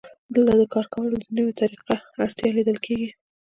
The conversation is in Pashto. دلته د کار کولو د نویو طریقو اړتیا لیدل کېږي